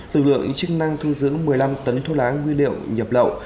tự lượng chức năng thu dưỡng một mươi năm tấn thuốc lá nguy liệu nhập lậu